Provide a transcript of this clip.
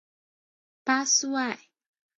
巴苏埃。